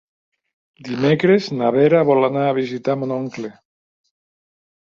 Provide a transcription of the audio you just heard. Dimecres na Vera vol anar a visitar mon oncle.